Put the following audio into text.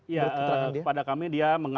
ya pada kami dia